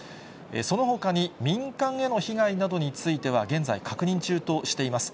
そのほかに、民間への被害などについては現在確認中としています。